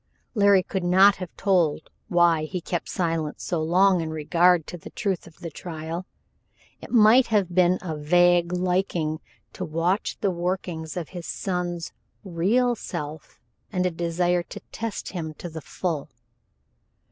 Larry could not have told why he kept silent so long in regard to the truth of the trial. It might have been a vague liking to watch the workings of his son's real self and a desire to test him to the full.